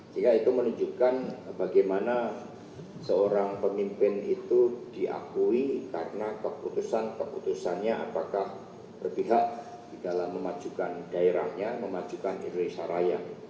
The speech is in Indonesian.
sehingga itu menunjukkan bagaimana seorang pemimpin itu diakui karena keputusan keputusannya apakah berpihak di dalam memajukan daerahnya memajukan indonesia raya